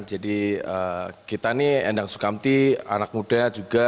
jadi kita nih endang sukamti anak muda juga